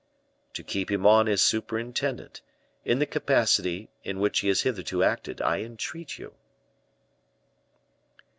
"To keep him on as surintendant, in the capacity in which he has hitherto acted, I entreat you."